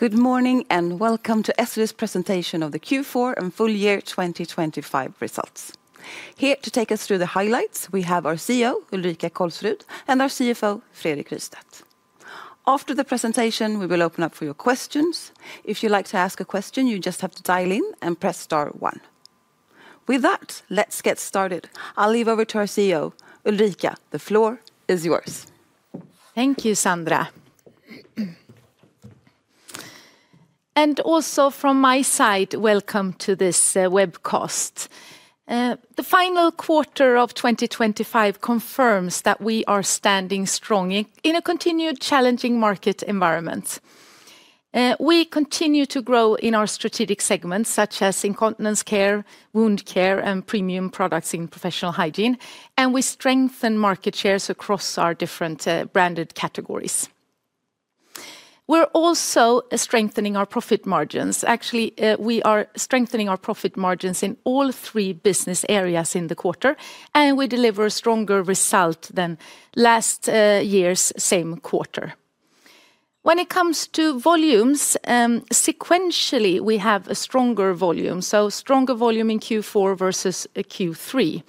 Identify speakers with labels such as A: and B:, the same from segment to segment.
A: Good morning and welcome to Essity's presentation of the Q4 and full year 2025 results. Here to take us through the highlights, we have our CEO, Ulrika Kolsrud, and our CFO, Fredrik Rystedt. After the presentation, we will open up for your questions. If you'd like to ask a question, you just have to dial in and press star one. With that, let's get started. I'll hand over to our CEO, Ulrika. The floor is yours.
B: Thank you, Sandra. And also from my side, welcome to this webcast. The final quarter of 2025 confirms that we are standing strong in a continued challenging market environment. We continue to grow in our strategic segments, such as incontinence care, wound care, and premium products in professional hygiene, and we strengthen market shares across our different branded categories. We're also strengthening our profit margins. Actually, we are strengthening our profit margins in all three business areas in the quarter, and we deliver a stronger result than last year's same quarter. When it comes to volumes, sequentially we have a stronger volume, so stronger volume in Q4 versus Q3.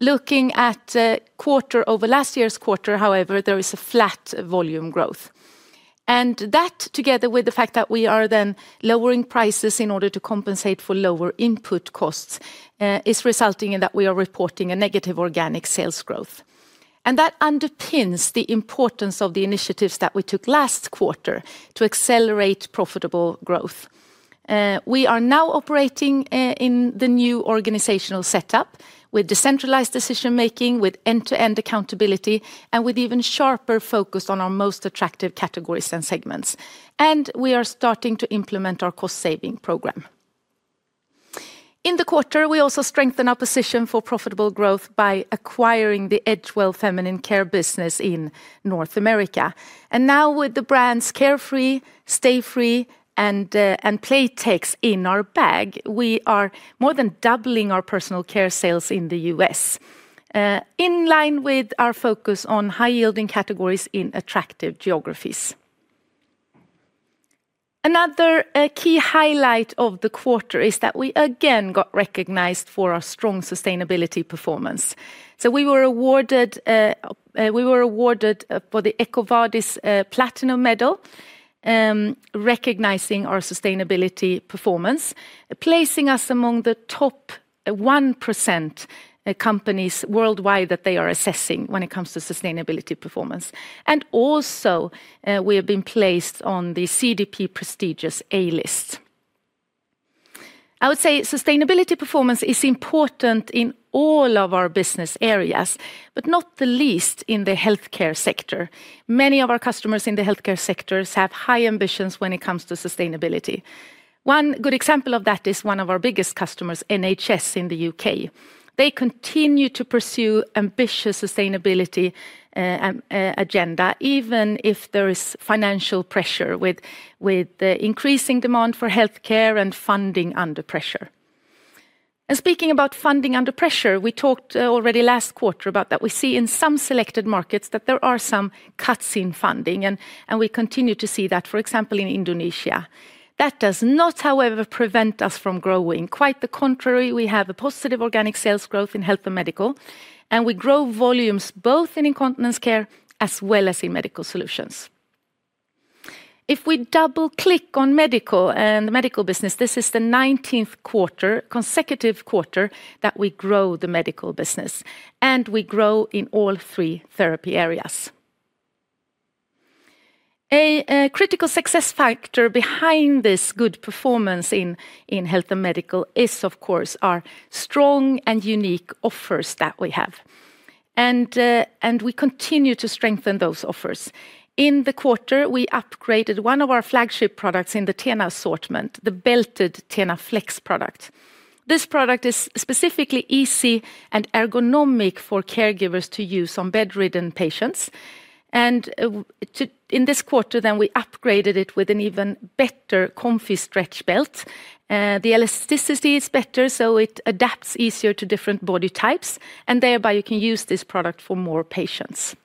B: Looking at the quarter over last year's quarter, however, there is a flat volume growth. And that, together with the fact that we are then lowering prices in order to compensate for lower input costs, is resulting in that we are reporting a negative organic sales growth. And that underpins the importance of the initiatives that we took last quarter to accelerate profitable growth. We are now operating in the new organizational setup with decentralized decision making, with end-to-end accountability, and with even sharper focus on our most attractive categories and segments. And we are starting to implement our cost saving program. In the quarter, we also strengthen our position for profitable growth by acquiring the Edgewell Feminine Care business in North America. And now, with the brands Carefree, Stayfree, and Playtex in our bag, we are more than doubling our personal care sales in the U.S., in line with our focus on high yielding categories in attractive geographies. Another key highlight of the quarter is that we again got recognized for our strong sustainability performance. We were awarded for the EcoVadis Platinum Medal, recognizing our sustainability performance, placing us among the top 1% of companies worldwide that they are assessing when it comes to sustainability performance. We have also been placed on the CDP's prestigious A list. I would say sustainability performance is important in all of our business areas, but not the least in the healthcare sector. Many of our customers in the healthcare sectors have high ambitions when it comes to sustainability. One good example of that is one of our biggest customers, NHS in the U.K. They continue to pursue ambitious sustainability agenda, even if there is financial pressure with increasing demand for healthcare and funding under pressure. Speaking about funding under pressure, we talked already last quarter about that. We see in some selected markets that there are some cuts in funding, and we continue to see that, for example, in Indonesia. That does not, however, prevent us from growing. Quite the contrary, we have a positive organic sales growth in Health & Medical, and we grow volumes both in Incontinence Care as well as in Medical Solutions. If we double-click on medical and the medical business, this is the 19th consecutive quarter that we grow the medical business, and we grow in all three therapy areas. A critical success factor behind this good performance in Health & Medical is, of course, our strong and unique offers that we have. And we continue to strengthen those offers. In the quarter, we upgraded one of our flagship products in the Tena assortment, the belted Tena Flex product. This product is specifically easy and ergonomic for caregivers to use on bedridden patients, and in this quarter, then we upgraded it with an even better ComfiStretch belt. The elasticity is better, so it adapts easier to different body types, and thereby you can use this product for more patients.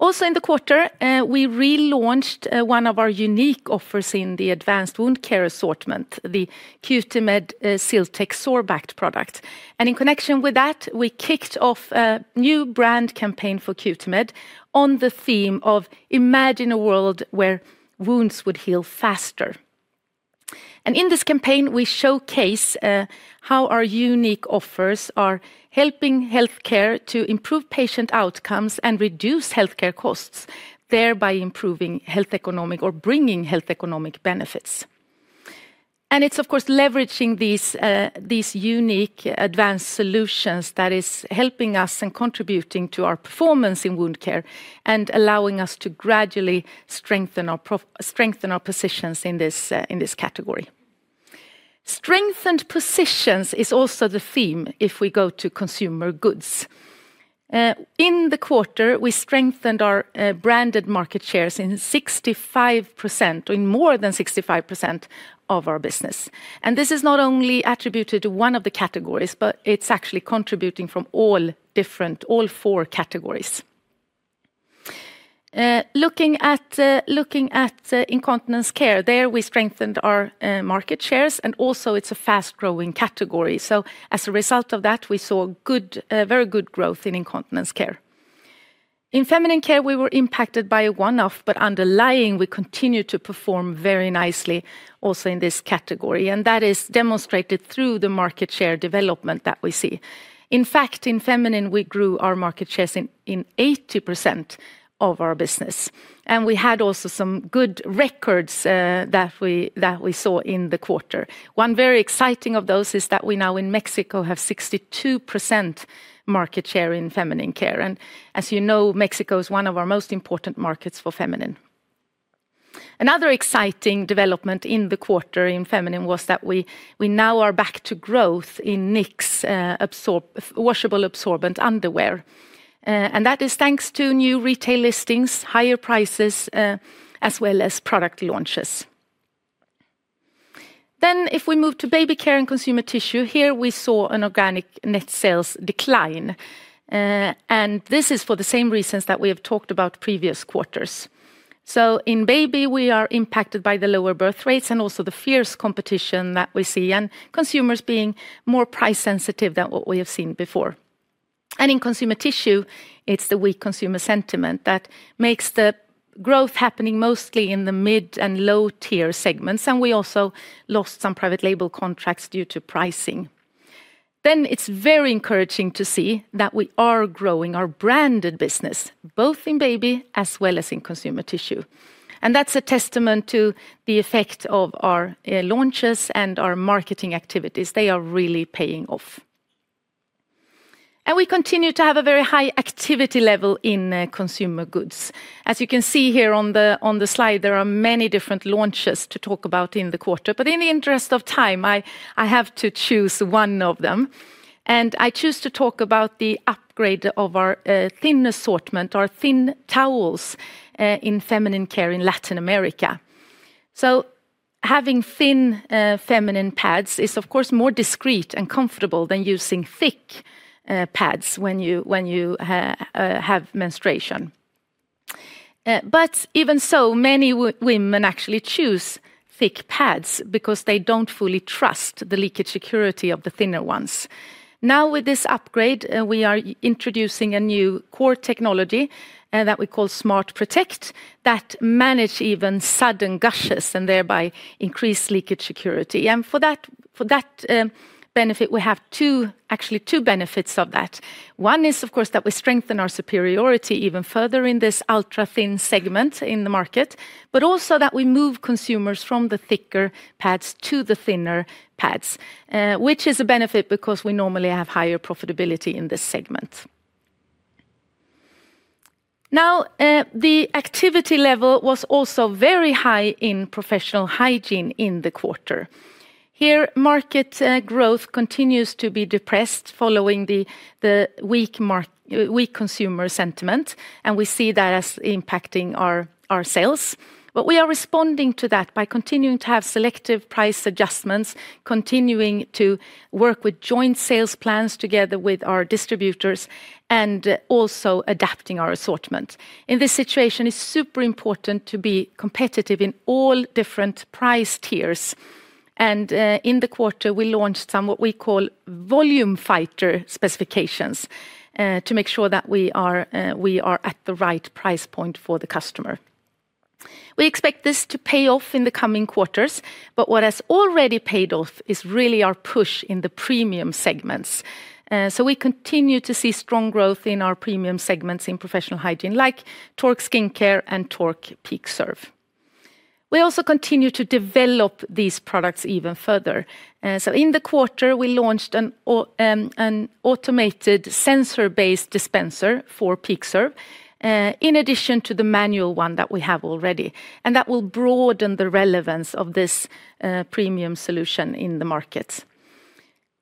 B: Also, in the quarter, we relaunched one of our unique offers in the advanced wound care assortment, the Cutimed Siltec Sorbact product. In connection with that, we kicked off a new brand campaign for Cutimed on the theme of imagine a world where wounds would heal faster, and in this campaign, we showcase how our unique offers are helping healthcare to improve patient outcomes and reduce healthcare costs, thereby improving health economic or bringing health economic benefits. And it's, of course, leveraging these unique advanced solutions that is helping us and contributing to our performance in wound care and allowing us to gradually strengthen our positions in this category. Strengthened positions is also the theme if we go to consumer goods. In the quarter, we strengthened our branded market shares in 65%, in more than 65% of our business. And this is not only attributed to one of the categories, but it's actually contributing from all four categories. Looking at incontinence care, there we strengthened our market shares, and also it's a fast growing category. So as a result of that, we saw very good growth in incontinence care. In feminine care, we were impacted by a one-off, but underlying we continue to perform very nicely also in this category, and that is demonstrated through the market share development that we see. In fact, in feminine, we grew our market shares in 80% of our business, and we had also some good records that we saw in the quarter. One very exciting of those is that we now in Mexico have 62% market share in feminine care, and as you know, Mexico is one of our most important markets for feminine. Another exciting development in the quarter in feminine was that we now are back to growth in Knix washable absorbent underwear, and that is thanks to new retail listings, higher prices, as well as product launches, then if we move to baby care and consumer tissue, here we saw an organic net sales decline, and this is for the same reasons that we have talked about previous quarters. In baby, we are impacted by the lower birth rates and also the fierce competition that we see and consumers being more price sensitive than what we have seen before. In consumer tissue, it's the weak consumer sentiment that makes the growth happening mostly in the mid and low tier segments, and we also lost some private label contracts due to pricing. It is very encouraging to see that we are growing our branded business, both in baby as well as in consumer tissue. That is a testament to the effect of our launches and our marketing activities. They are really paying off. We continue to have a very high activity level in consumer goods. As you can see here on the slide, there are many different launches to talk about in the quarter, but in the interest of time, I have to choose one of them. And I choose to talk about the upgrade of our thin assortment, our thin towels in feminine care in Latin America. So having thin feminine pads is, of course, more discreet and comfortable than using thick pads when you have menstruation. But even so, many women actually choose thick pads because they don't fully trust the leakage security of the thinner ones. Now, with this upgrade, we are introducing a new core technology that we call SmartProtect that manages even sudden gushes and thereby increases leakage security. And for that benefit, we have actually two benefits of that. One is, of course, that we strengthen our superiority even further in this ultra thin segment in the market, but also that we move consumers from the thicker pads to the thinner pads, which is a benefit because we normally have higher profitability in this segment. Now, the activity level was also very high in professional hygiene in the quarter. Here, market growth continues to be depressed following the weak consumer sentiment, and we see that as impacting our sales. But we are responding to that by continuing to have selective price adjustments, continuing to work with joint sales plans together with our distributors, and also adapting our assortment. In this situation, it's super important to be competitive in all different price tiers. And in the quarter, we launched some what we call volume fighter specifications to make sure that we are at the right price point for the customer. We expect this to pay off in the coming quarters, but what has already paid off is really our push in the premium segments. So we continue to see strong growth in our premium segments in professional hygiene, like Tork Skincare and Tork PeakServe. We also continue to develop these products even further, so in the quarter, we launched an automated sensor-based dispenser for PeakServe, in addition to the manual one that we have already, and that will broaden the relevance of this premium solution in the markets.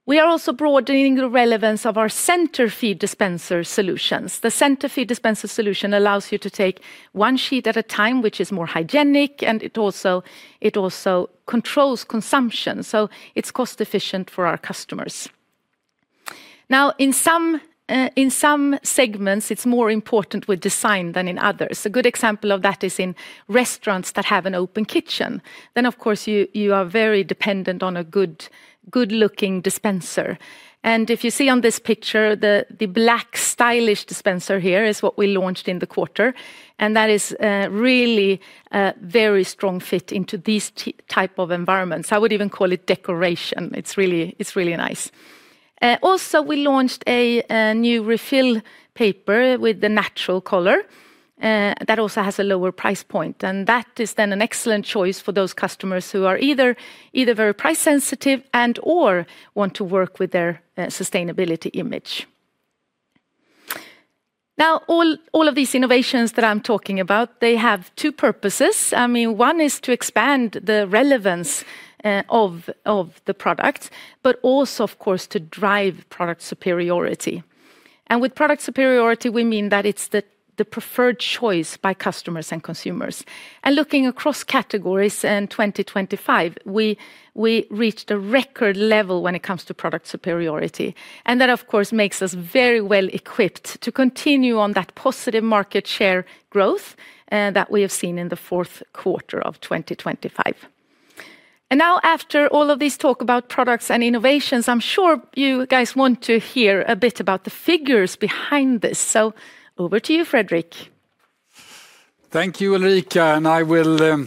B: We are also broadening the relevance of our centerfeed dispenser solutions. The centerfeed dispenser solution allows you to take one sheet at a time, which is more hygienic, and it also controls consumption, so it's cost efficient for our customers. Now, in some segments, it's more important with design than in others. A good example of that is in restaurants that have an open kitchen, then, of course, you are very dependent on a good-looking dispenser. And if you see on this picture, the black stylish dispenser here is what we launched in the quarter, and that is really a very strong fit into these types of environments. I would even call it decoration. It's really nice. Also, we launched a new refill paper with the natural color that also has a lower price point, and that is then an excellent choice for those customers who are either very price sensitive and/or want to work with their sustainability image. Now, all of these innovations that I'm talking about, they have two purposes. I mean, one is to expand the relevance of the product, but also, of course, to drive product superiority. And with product superiority, we mean that it's the preferred choice by customers and consumers. And looking across categories in 2025, we reached a record level when it comes to product superiority. That, of course, makes us very well equipped to continue on that positive market share growth that we have seen in the fourth quarter of 2025. Now, after all of these talks about products and innovations, I'm sure you guys want to hear a bit about the figures behind this. So over to you, Fredrik.
C: Thank you, Ulrika. I will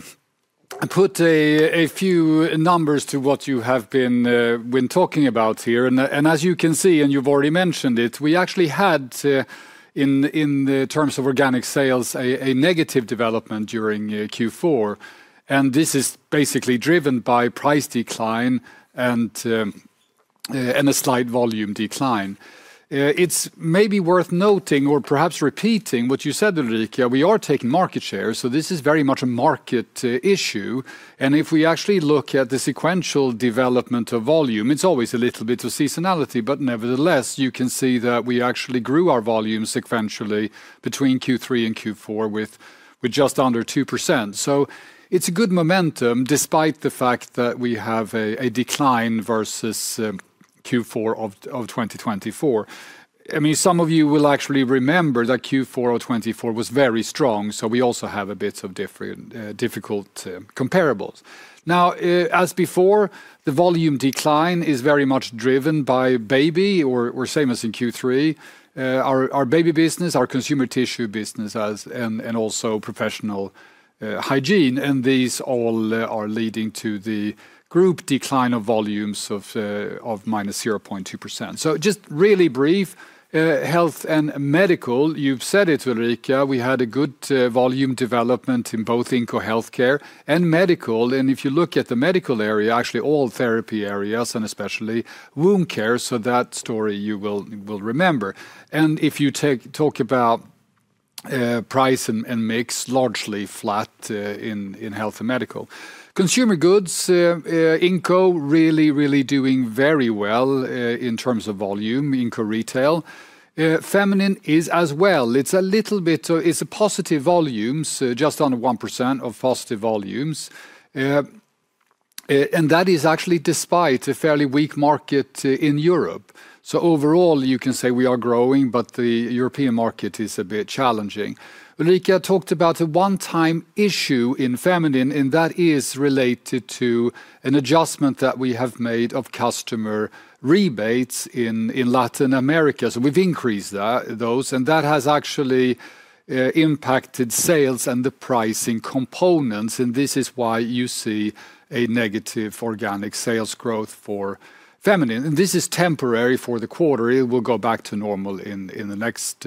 C: put a few numbers to what you have been talking about here. As you can see, and you've already mentioned it, we actually had, in terms of organic sales, a negative development during Q4. This is basically driven by price decline and a slight volume decline. It's maybe worth noting, or perhaps repeating what you said, Ulrika. We are taking market share, so this is very much a market issue. If we actually look at the sequential development of volume, it's always a little bit of seasonality, but nevertheless, you can see that we actually grew our volume sequentially between Q3 and Q4 with just under 2%. So it's a good momentum despite the fact that we have a decline versus Q4 of 2024. I mean, some of you will actually remember that Q4 of 2024 was very strong, so we also have a bit of difficult comparables. Now, as before, the volume decline is very much driven by baby, or same as in Q3, our baby business, our consumer tissue business, and also professional hygiene, and these all are leading to the group decline of volumes of -0.2%. So just really brief, health and medical, you've said it, Ulrika. We had a good volume development in both incontinence and medical. And if you look at the medical area, actually all therapy areas, and especially wound care, so that story you will remember. And if you talk about price and mix, largely flat in health and medical. Consumer goods, Inco, really, really doing very well in terms of volume, Inco retail. Feminine is as well. It's a little bit, it's a positive volumes, just under 1% of positive volumes. And that is actually despite a fairly weak market in Europe. So overall, you can say we are growing, but the European market is a bit challenging. Ulrika talked about a one-time issue in feminine, and that is related to an adjustment that we have made of customer rebates in Latin America. So we've increased those, and that has actually impacted sales and the pricing components. And this is why you see a negative organic sales growth for feminine. This is temporary for the quarter. It will go back to normal in the next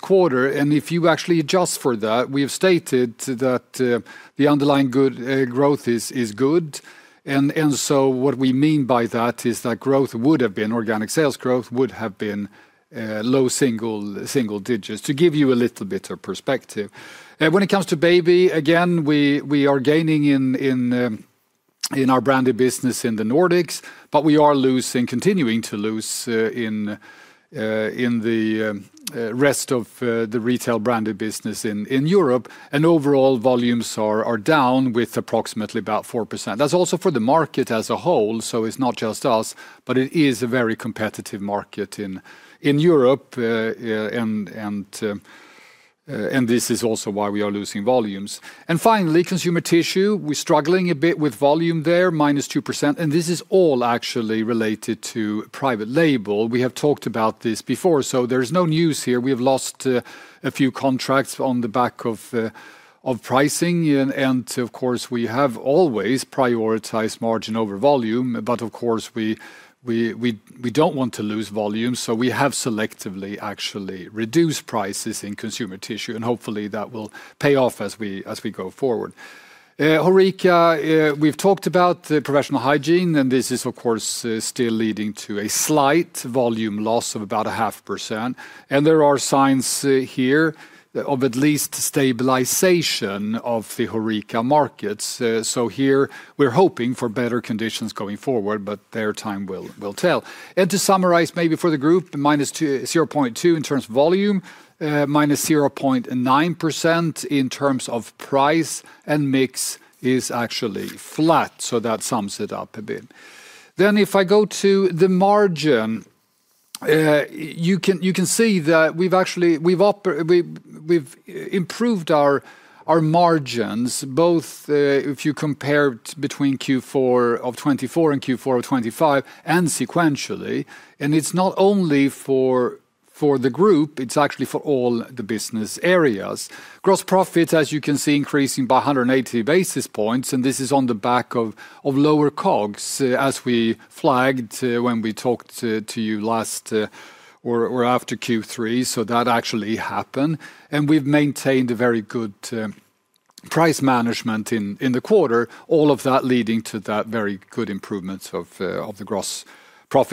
C: quarter. If you actually adjust for that, we have stated that the underlying growth is good, so what we mean by that is that growth would have been, organic sales growth would have been low single digits, to give you a little bit of perspective. When it comes to baby, again, we are gaining in our branded business in the Nordics, but we are losing, continuing to lose in the rest of the retail branded business in Europe. Overall, volumes are down with approximately about 4%. That's also for the market as a whole, so it's not just us, but it is a very competitive market in Europe. This is also why we are losing volumes. Finally, consumer tissue, we're struggling a bit with volume there, minus 2%. And this is all actually related to private label. We have talked about this before, so there's no news here. We have lost a few contracts on the back of pricing. And of course, we have always prioritized margin over volume, but of course, we don't want to lose volume. So we have selectively actually reduced prices in consumer tissue, and hopefully that will pay off as we go forward. Ulrika, we've talked about the professional hygiene, and this is, of course, still leading to a slight volume loss of about 0.5%. And there are signs here of at least stabilization of the overall markets. So here, we're hoping for better conditions going forward, but time will tell. And to summarize maybe for the group, minus 0.2% in terms of volume, minus 0.9% in terms of price, and mix is actually flat. So that sums it up a bit. Then if I go to the margin, you can see that we've improved our margins, both if you compare between Q4 of 2024 and Q4 of 2025, and sequentially. And it's not only for the group, it's actually for all the business areas. Gross profit, as you can see, increasing by 180 basis points, and this is on the back of lower COGS, as we flagged when we talked to you last or after Q3, so that actually happened. And we've maintained a very good price management in the quarter, all of that leading to that very good improvement of the gross profit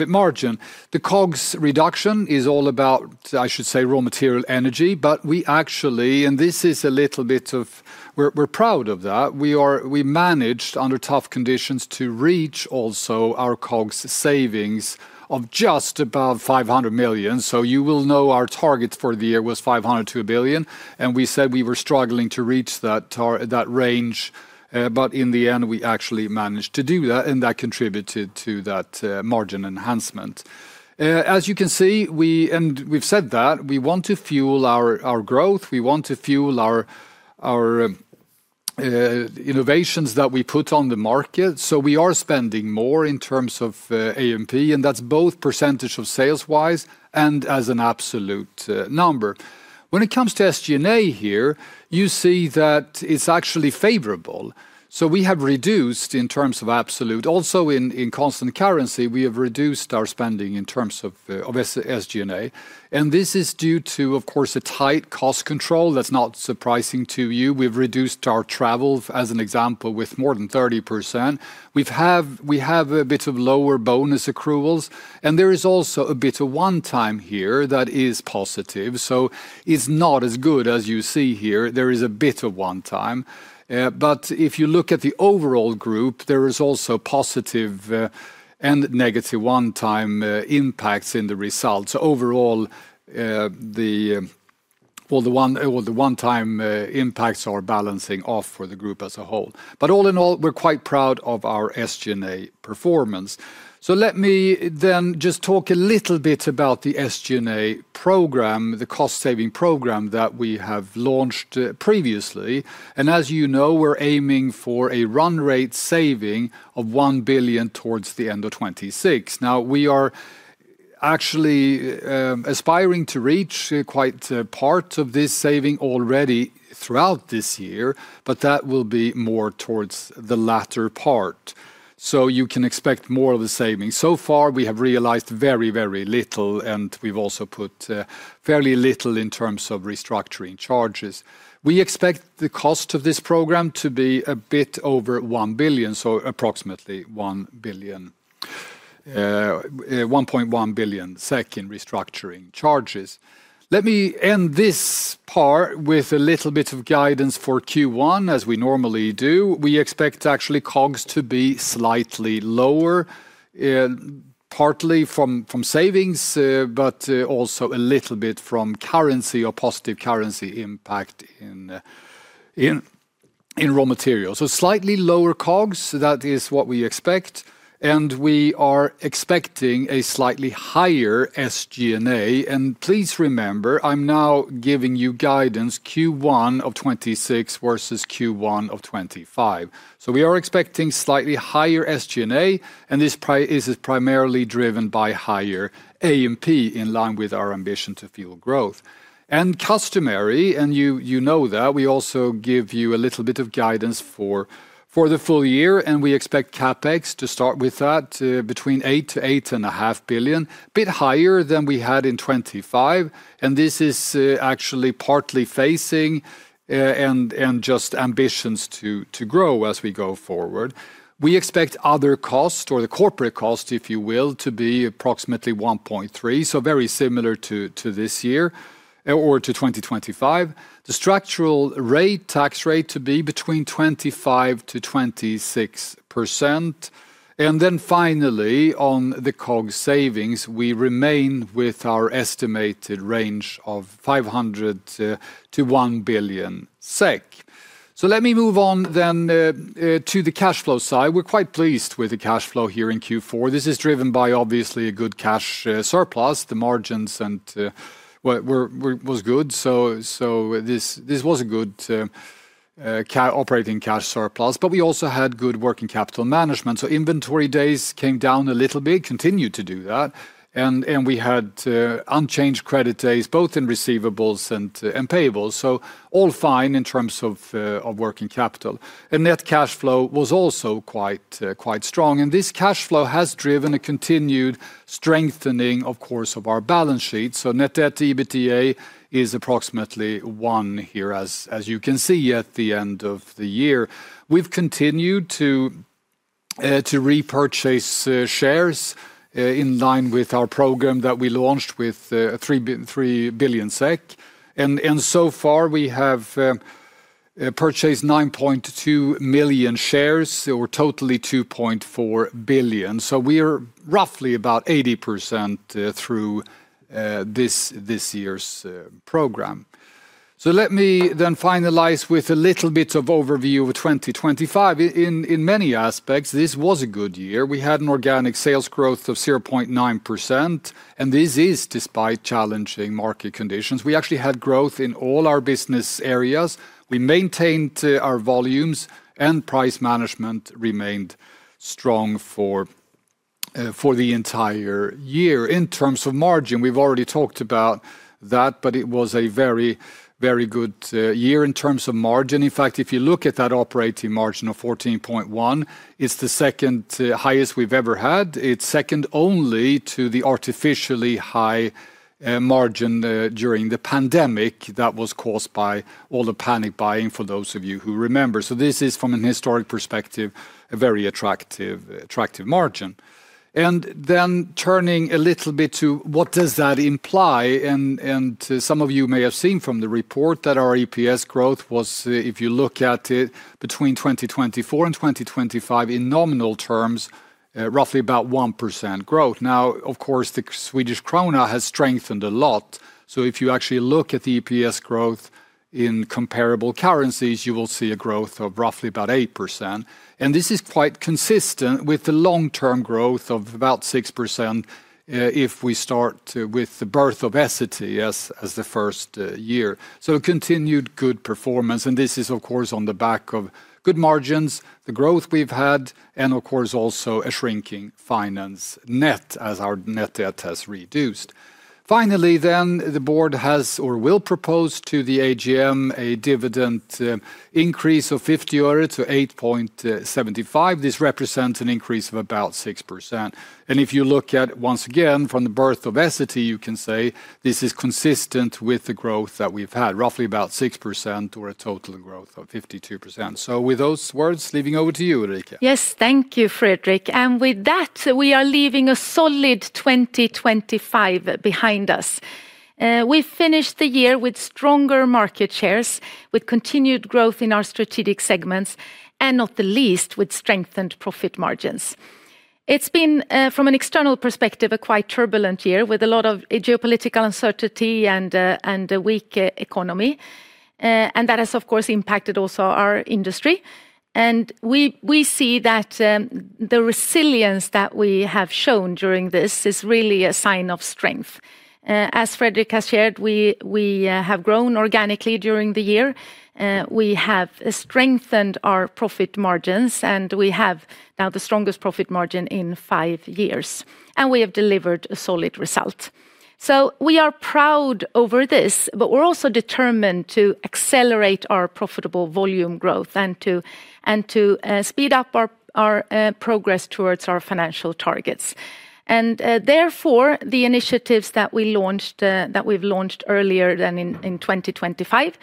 C: margin. The COGS reduction is all about, I should say, raw material energy, but we actually, and this is a little bit of, we're proud of that. We managed under tough conditions to reach also our COGS savings of just above 500 million. So you will know our target for the year was 502 million, and we said we were struggling to reach that range, but in the end, we actually managed to do that, and that contributed to that margin enhancement. As you can see, and we've said that, we want to fuel our growth, we want to fuel our innovations that we put on the market. So we are spending more in terms of A&P, and that's both percentage of sales-wise and as an absolute number. When it comes to SG&A here, you see that it's actually favorable. So we have reduced in terms of absolute, also in constant currency, we have reduced our spending in terms of SG&A. And this is due to, of course, a tight cost control. That's not surprising to you. We've reduced our travel, as an example, with more than 30%. We have a bit of lower bonus accruals, and there is also a bit of one-time here that is positive. So it's not as good as you see here. There is a bit of one-time. But if you look at the overall group, there is also positive and negative one-time impacts in the results. So overall, well, the one-time impacts are balancing off for the group as a whole. But all in all, we're quite proud of our SG&A performance. So let me then just talk a little bit about the SG&A program, the cost-saving program that we have launched previously, and as you know, we're aiming for a run rate saving of 1 billion towards the end of 2026. Now, we are actually aspiring to reach quite part of this saving already throughout this year, but that will be more towards the latter part. So you can expect more of the saving. So far, we have realized very, very little, and we've also put fairly little in terms of restructuring charges. We expect the cost of this program to be a bit over 1 billion, so approximately 1 billion, 1.1 billion SEK restructuring charges. Let me end this part with a little bit of guidance for Q1, as we normally do. We expect actually COGS to be slightly lower, partly from savings, but also a little bit from currency or positive currency impact in raw materials. So slightly lower COGS, that is what we expect. And we are expecting a slightly higher SG&A. And please remember, I am now giving you guidance Q1 of 2026 versus Q1 of 2025. We are expecting slightly higher SG&A, and this is primarily driven by higher A&P in line with our ambition to fuel growth. Customary, and you know that, we also give you a little bit of guidance for the full year. We expect CapEx to start with that between 8-8.5 billion SEK, a bit higher than we had in 2025. This is actually partly financing our ambitions to grow as we go forward. We expect other costs, or the corporate costs, if you will, to be approximately 1.3 billion SEK, so very similar to this year or to 2025. The structural tax rate to be between 25%-26%. Then finally, on the COGS savings, we remain with our estimated range of 500-1 billion SEK. Let me move on then to the cash flow side. We're quite pleased with the cash flow here in Q4. This is driven by obviously a good cash surplus. The margins were good, so this was a good operating cash surplus. But we also had good working capital management, so inventory days came down a little bit, continued to do that. We had unchanged credit days, both in receivables and payables, so all fine in terms of working capital. Net cash flow was also quite strong. This cash flow has driven a continued strengthening, of course, of our balance sheet, so net debt EBITDA is approximately one here, as you can see at the end of the year. We've continued to repurchase shares in line with our program that we launched with 3 billion SEK, and so far, we have purchased 9.2 million shares or totally 2.4 billion. We are roughly about 80% through this year's program. So let me then finalize with a little bit of overview of 2025. In many aspects, this was a good year. We had an organic sales growth of 0.9%, and this is despite challenging market conditions. We actually had growth in all our business areas. We maintained our volumes, and price management remained strong for the entire year. In terms of margin, we've already talked about that, but it was a very, very good year in terms of margin. In fact, if you look at that operating margin of 14.1%, it's the second highest we've ever had. It's second only to the artificially high margin during the pandemic that was caused by all the panic buying, for those of you who remember. So this is, from a historic perspective, a very attractive margin. And then turning a little bit to what does that imply, and some of you may have seen from the report that our EPS growth was, if you look at it between 2024 and 2025, in nominal terms, roughly about 1% growth. Now, of course, the Swedish krona has strengthened a lot. So if you actually look at the EPS growth in comparable currencies, you will see a growth of roughly about 8%. And this is quite consistent with the long-term growth of about 6% if we start with the birth of Essity as the first year. So continued good performance. And this is, of course, on the back of good margins, the growth we've had, and of course, also a shrinking finance net as our net debt has reduced. Finally then, the board has or will propose to the AGM a dividend increase of 50 euro to 8.75. This represents an increase of about 6%. If you look at, once again, from the birth of Essity, you can say this is consistent with the growth that we've had, roughly about 6% or a total growth of 52%. So with those words, handing over to you, Ulrika.
B: Yes, thank you, Fredrik. With that, we are leaving a solid 2025 behind us. We finished the year with stronger market shares, with continued growth in our strategic segments, and not the least with strengthened profit margins. It's been, from an external perspective, a quite turbulent year with a lot of geopolitical uncertainty and a weak economy. That has, of course, impacted also our industry. We see that the resilience that we have shown during this is really a sign of strength. As Fredrik has shared, we have grown organically during the year. We have strengthened our profit margins, and we have now the strongest profit margin in five years, and we have delivered a solid result, so we are proud over this, but we're also determined to accelerate our profitable volume growth and to speed up our progress towards our financial targets, and therefore, the initiatives that we've launched earlier than in 2025,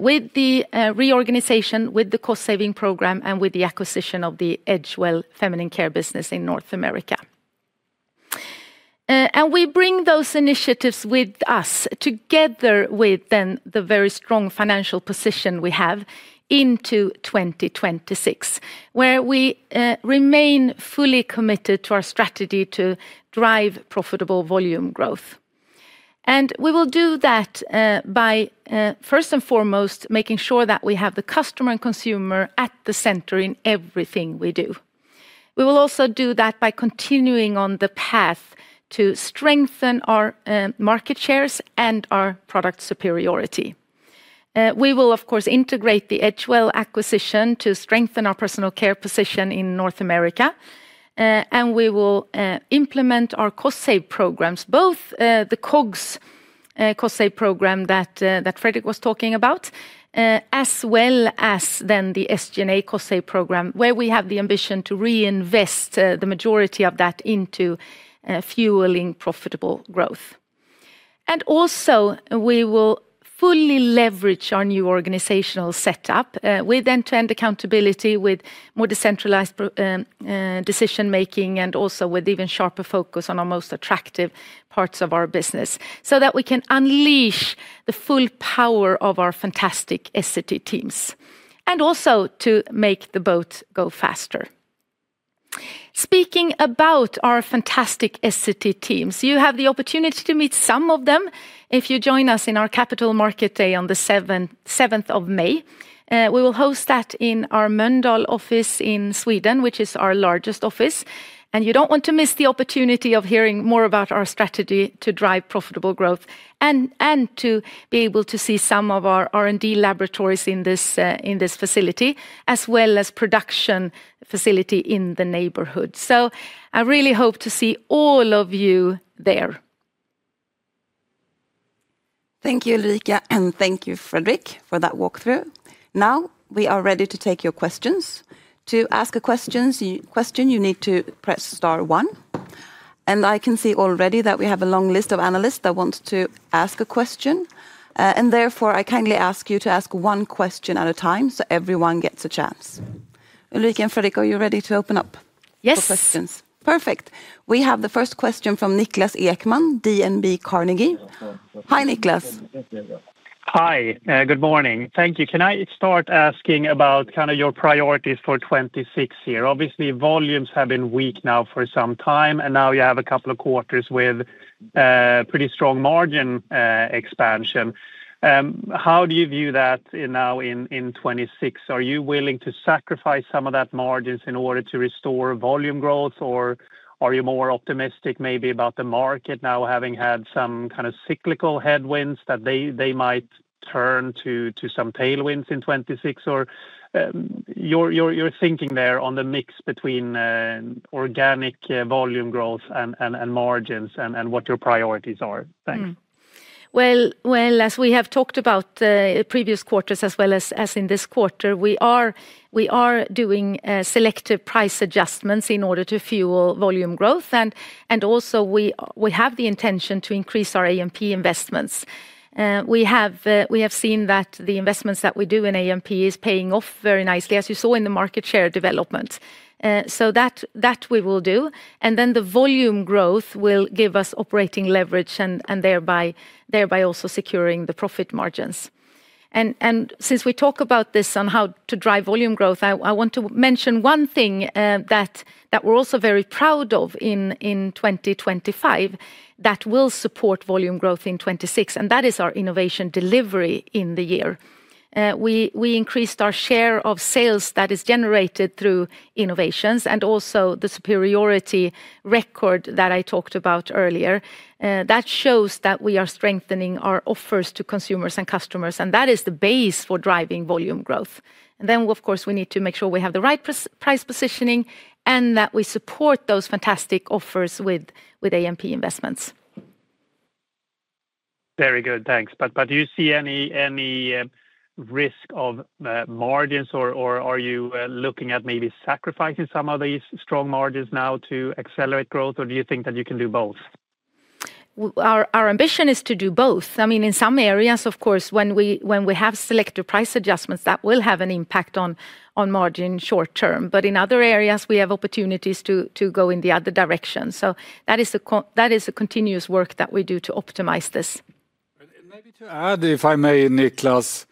B: with the reorganization, with the cost-saving program, and with the acquisition of the Edgewell Feminine Care business in North America, and we bring those initiatives with us together with then the very strong financial position we have into 2026, where we remain fully committed to our strategy to drive profitable volume growth, and we will do that by, first and foremost, making sure that we have the customer and consumer at the center in everything we do. We will also do that by continuing on the path to strengthen our market shares and our product superiority. We will, of course, integrate the Edgewell acquisition to strengthen our personal care position in North America, and we will implement our cost-saving programs, both the COGS cost-saving program that Fredrik was talking about, as well as then the SG&A cost-saving program, where we have the ambition to reinvest the majority of that into fueling profitable growth, and also we will fully leverage our new organizational setup with end-to-end accountability, with more decentralized decision-making, and also with even sharper focus on our most attractive parts of our business, so that we can unleash the full power of our fantastic Essity teams, and also to make the boat go faster. Speaking about our fantastic Essity teams, you have the opportunity to meet some of them if you join us in our Capital Market Day on the 7th of May. We will host that in our Mölndal office in Sweden, which is our largest office, and you don't want to miss the opportunity of hearing more about our strategy to drive profitable growth and to be able to see some of our R&D laboratories in this facility, as well as production facility in the neighborhood, so I really hope to see all of you there.
A: Thank you, Ulrika, and thank you, Fredrik, for that walkthrough. Now we are ready to take your questions. To ask a question, you need to press star one, and I can see already that we have a long list of analysts that want to ask a question. And therefore, I kindly ask you to ask one question at a time so everyone gets a chance. Ulrika and Fredrik, are you ready to open up for questions?
B: Yes.
A: Perfect. We have the first question from Niklas Ekman, DNB Carnegie. Hi, Niklas.
D: Hi, good morning. Thank you. Can I start asking about kind of your priorities for 2026 here? Obviously, volumes have been weak now for some time, and now you have a couple of quarters with pretty strong margin expansion. How do you view that now in 2026? Are you willing to sacrifice some of that margins in order to restore volume growth, or are you more optimistic maybe about the market now, having had some kind of cyclical headwinds that they might turn to some tailwinds in 2026? Or your thinking there on the mix between organic volume growth and margins and what your priorities are. Thanks.
B: As we have talked about the previous quarters, as well as in this quarter, we are doing selective price adjustments in order to fuel volume growth. And also, we have the intention to increase our A&P investments. We have seen that the investments that we do in A&P are paying off very nicely, as you saw in the market share development. So that we will do. And then the volume growth will give us operating leverage and thereby also securing the profit margins. And since we talk about this on how to drive volume growth, I want to mention one thing that we're also very proud of in 2025 that will support volume growth in 2026, and that is our innovation delivery in the year. We increased our share of sales that is generated through innovations and also the superiority record that I talked about earlier. That shows that we are strengthening our offers to consumers and customers, and that is the base for driving volume growth, and then, of course, we need to make sure we have the right price positioning and that we support those fantastic offers with A&P investments.
D: Very good, thanks. But do you see any risk of margins, or are you looking at maybe sacrificing some of these strong margins now to accelerate growth, or do you think that you can do both?
B: Our ambition is to do both. I mean, in some areas, of course, when we have selective price adjustments, that will have an impact on margin short term, but in other areas, we have opportunities to go in the other direction. So that is the continuous work that we do to optimize this.
C: Maybe to add, if I may, Niklas,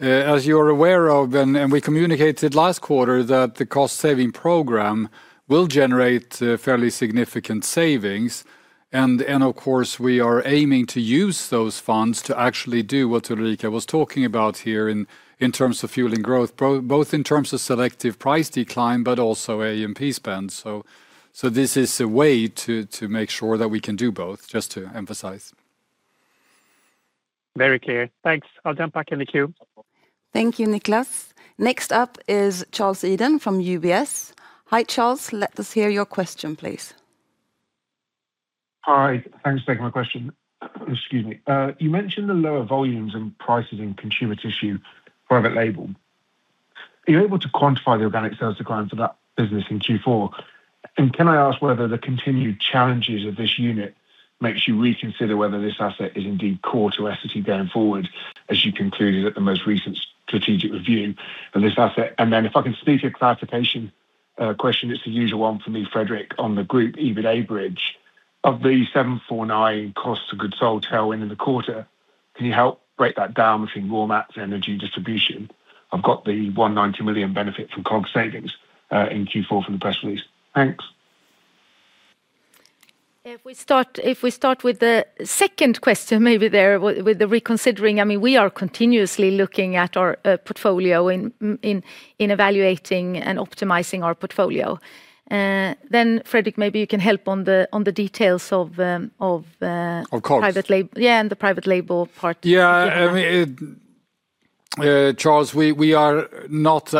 C: as you're aware of, and we communicated last quarter that the cost-saving program will generate fairly significant savings. And of course, we are aiming to use those funds to actually do what Ulrika was talking about here in terms of fueling growth, both in terms of selective price decline, but also A&P spend. So this is a way to make sure that we can do both, just to emphasize.
D: Very clear. Thanks. I'll jump back in the queue.
A: Thank you, Niklas. Next up is Charles Eden from UBS. Hi, Charles. Let us hear your question, please.
E: Hi, thanks for taking my question. Excuse me. You mentioned the lower volumes and prices in consumer tissue, private label. Are you able to quantify the organic sales decline for that business in Q4? Can I ask whether the continued challenges of this unit make you reconsider whether this asset is indeed core to Essity going forward, as you concluded at the most recent strategic review of this asset? And then if I can sneak a clarification question, it's a usual one for me, Fredrik, on the group EBITDA bridge. Of the 749 cost of goods sold tailwind in the quarter, can you help break that down between raw mats, energy, distribution? I've got the 190 million benefit from COGS savings in Q4 from the press release. Thanks.
B: If we start with the second question, maybe there with the reconsidering, I mean, we are continuously looking at our portfolio in evaluating and optimizing our portfolio. Then, Fredrik, maybe you can help on the details of private label. Yeah, and the private label part.
C: Yeah, I mean, Charles, we are not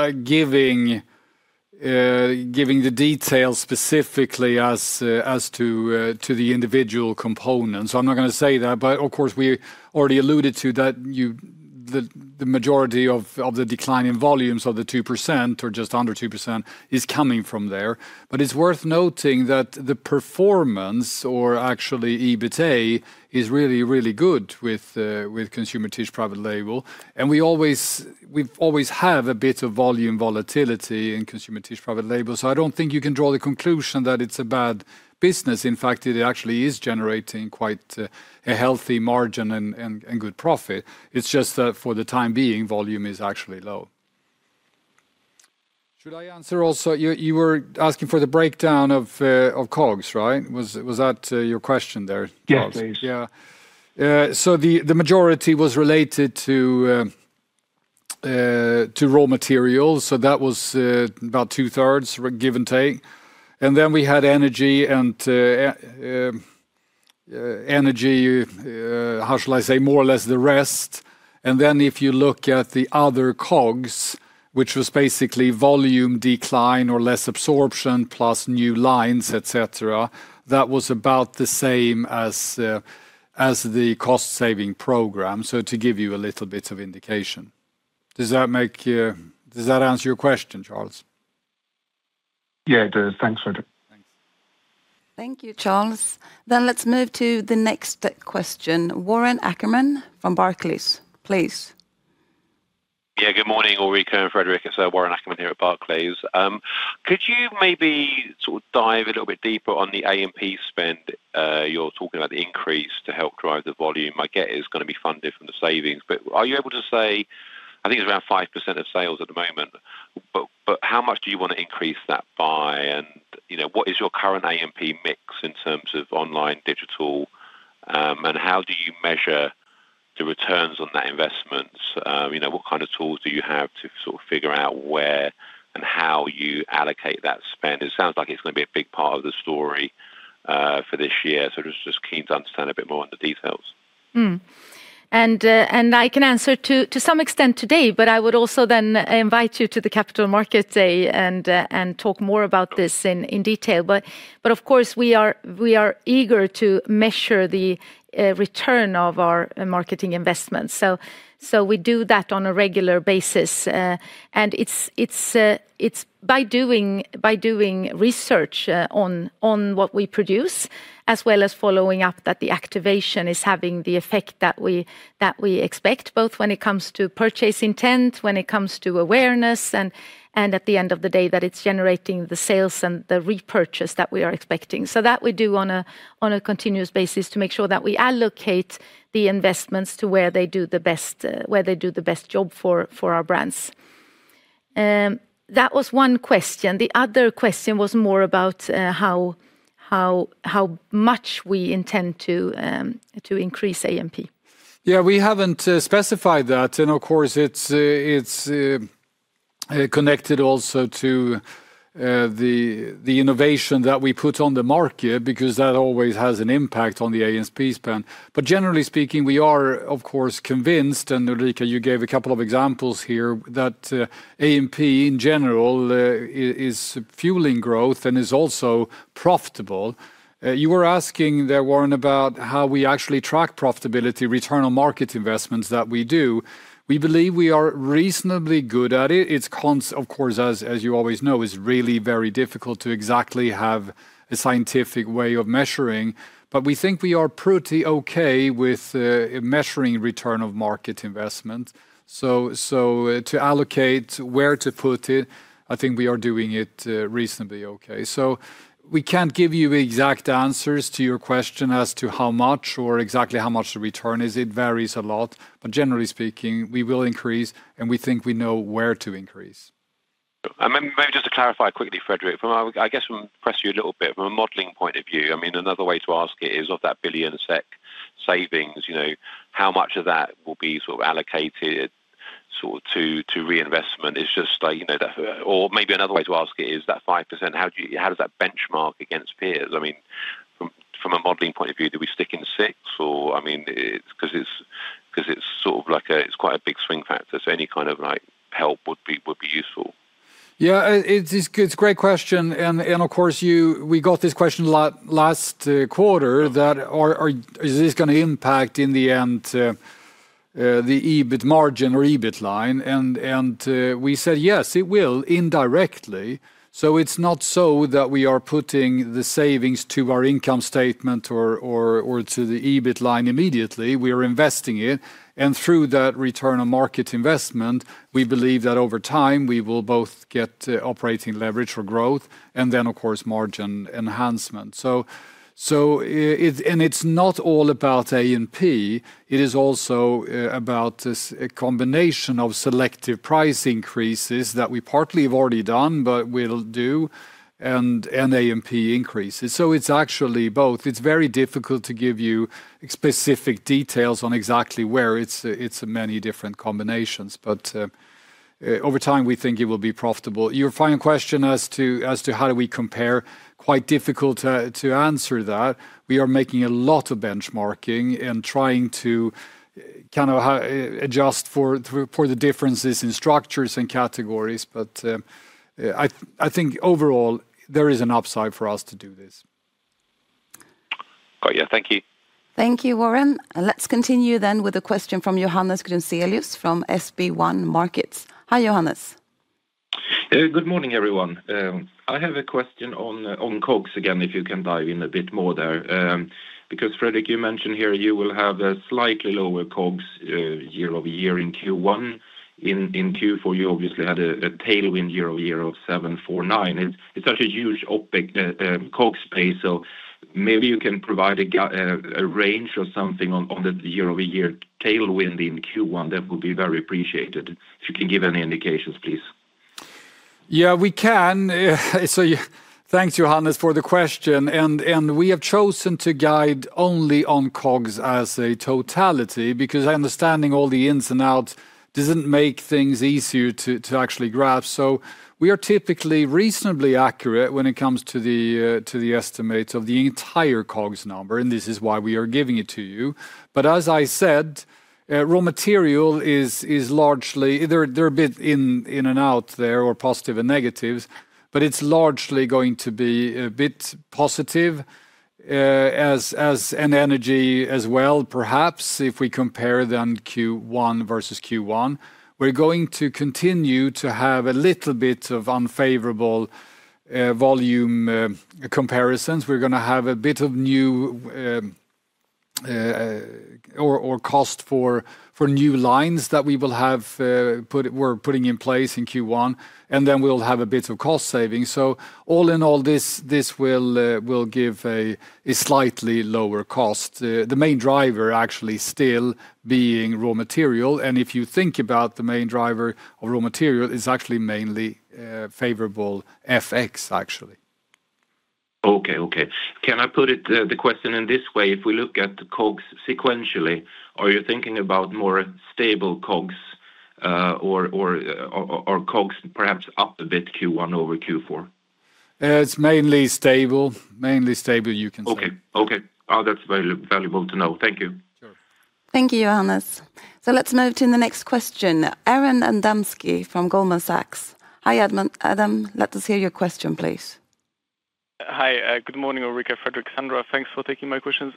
C: giving the details specifically as to the individual components. I'm not going to say that, but of course, we already alluded to that the majority of the decline in volumes of the 2% or just under 2% is coming from there. But it's worth noting that the performance, or actually EBITDA, is really, really good with consumer tissue, private label. And we always have a bit of volume volatility in consumer tissue, private label. So I don't think you can draw the conclusion that it's a bad business. In fact, it actually is generating quite a healthy margin and good profit. It's just that for the time being, volume is actually low. Should I answer also? You were asking for the breakdown of COGS, right? Was that your question there?
E: Yes, please.
C: Yeah. So the majority was related to raw materials. So that was about two-thirds, give and take. And then we had energy and energy, how shall I say, more or less the rest. And then if you look at the other COGS, which was basically volume decline or less absorption plus new lines, etc., that was about the same as the cost-saving program. So to give you a little bit of indication. Does that answer your question, Charles?
E: Yeah, it does. Thanks, Fredrik.
A: Thank you, Charles. Then let's move to the next question. Warren Ackerman from Barclays, please.
F: Yeah, good morning, Ulrika and Fredrik. It's Warren Ackerman here at Barclays. Could you maybe sort of dive a little bit deeper on the A&P spend you're talking about, the increase to help drive the volume? I get it's going to be funded from the savings, but are you able to say, I think it's around 5% of sales at the moment, but how much do you want to increase that by? And what is your current A&P mix in terms of online digital, and how do you measure the returns on that investment? What kind of tools do you have to sort of figure out where and how you allocate that spend? It sounds like it's going to be a big part of the story for this year. So I'm just keen to understand a bit more on the details.
B: And I can answer to some extent today, but I would also then invite you to the Capital Market Day and talk more about this in detail. But of course, we are eager to measure the return of our marketing investments. So we do that on a regular basis. And it's by doing research on what we produce, as well as following up that the activation is having the effect that we expect, both when it comes to purchase intent, when it comes to awareness, and at the end of the day, that it's generating the sales and the repurchase that we are expecting. So that we do on a continuous basis to make sure that we allocate the investments to where they do the best, where they do the best job for our brands. That was one question. The other question was more about how much we intend to increase A&P.
C: Yeah, we haven't specified that. And of course, it's connected also to the innovation that we put on the market because that always has an impact on the ASP spend. But generally speaking, we are, of course, convinced, and Ulrika, you gave a couple of examples here, that A&P in general is fueling growth and is also profitable. You were asking, Warren, about how we actually track profitability, return on marketing investments that we do. We believe we are reasonably good at it. It's, of course, as you always know, really very difficult to exactly have a scientific way of measuring. But we think we are pretty okay with measuring return on marketing investment. So to allocate where to put it, I think we are doing it reasonably okay. So we can't give you exact answers to your question as to how much or exactly how much the return is. It varies a lot. But generally speaking, we will increase, and we think we know where to increase.
F: Maybe just to clarify quickly, Fredrik, I guess, press you a little bit, from a modeling point of view, I mean, another way to ask it is of that billion SEK savings, how much of that will be sort of allocated to reinvestment? It's just like, or maybe another way to ask it is that 5%, how does that benchmark against peers? I mean, from a modeling point of view, do we stick
C: in six? Or I mean, because it's sort of like it's quite a big swing factor, so any kind of help would be useful. Yeah, it's a great question. Of course, we got this question last quarter, that is this going to impact in the end the EBIT margin or EBIT line? We said, yes, it will indirectly. So it's not so that we are putting the savings to our income statement or to the EBIT line immediately. We are investing it. And through that return on market investment, we believe that over time, we will both get operating leverage for growth and then, of course, margin enhancement. And it's not all about A&P. It is also about a combination of selective price increases that we partly have already done, but will do, and A&P increases. So it's actually both. It's very difficult to give you specific details on exactly where it's many different combinations. But over time, we think it will be profitable. Your final question as to how do we compare, quite difficult to answer that. We are making a lot of benchmarking and trying to kind of adjust for the differences in structures and categories. But I think overall, there is an upside for us to do this.
F: Yeah, thank you.
A: Thank you, Warren. Let's continue then with a question from Johannes Grunselius from SB1 Markets.
G: Hi, Johannes. Good morning, everyone. I have a question on COGS again, if you can dive in a bit more there. Because Fredrik, you mentioned here you will have a slightly lower COGS year over year in Q1. In Q4, you obviously had a tailwind year over year of 749. It's such a huge COGS space. So maybe you can provide a range or something on the year over year tailwind in Q1. That would be very appreciated. If you can give any indications, please.
C: Yeah, we can. So thanks, Johannes, for the question. And we have chosen to guide only on COGS as a totality because understanding all the ins and outs doesn't make things easier to actually grasp. So we are typically reasonably accurate when it comes to the estimates of the entire COGS number. And this is why we are giving it to you. But as I said, raw material is largely there are a bit in and out there or positives and negatives, but it's largely going to be a bit positive as in energy as well, perhaps, if we compare then Q1 versus Q1. We're going to continue to have a little bit of unfavorable volume comparisons. We're going to have a bit of new CapEx for new lines that we will have put in place in Q1. And then we'll have a bit of cost savings. So all in all, this will give a slightly lower cost. The main driver actually still being raw material, and if you think about the main driver of raw material, it's actually mainly favorable FX, actually.
G: Okay, okay. Can I put the question in this way? If we look at COGS sequentially, are you thinking about more stable COGS or COGS perhaps up a bit Q1 over Q4?
C: It's mainly stable. Mainly stable, you can say.
G: Okay, okay. That's valuable to know. Thank you.
A: Thank you, Johannes. Let's move to the next question. Aron Adamski from Goldman Sachs. Hi, Aron. Let us hear your question, please.
H: Hi, good morning, Ulrika, Fredrik, Sandra. Thanks for taking my questions.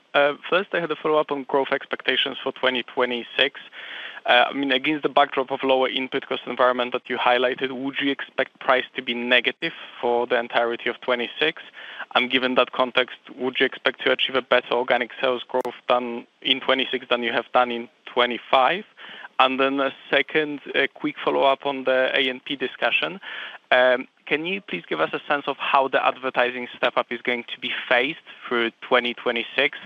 H: First, I had a follow-up on growth expectations for 2026. I mean, against the backdrop of lower input cost environment that you highlighted, would you expect price to be negative for the entirety of 2026? And given that context, would you expect to achieve a better organic sales growth done in 2026 than you have done in 2025? And then a second quick follow-up on the A&P discussion. Can you please give us a sense of how the advertising step-up is going to be phased through 2026?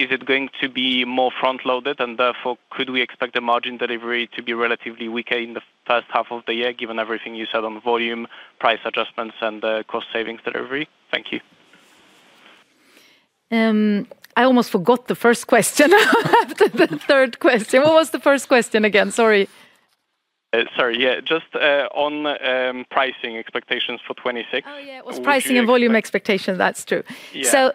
H: Is it going to be more front-loaded? And therefore, could we expect the margin delivery to be relatively weaker in the first half of the year, given everything you said on volume, price adjustments, and cost savings delivery? Thank you.
B: I almost forgot the first question after the third question. What was the first question again? Sorry.
H: Sorry, yeah. Just on pricing expectations for 2026.
B: Oh, yeah, it was pricing and volume expectations. That's true. So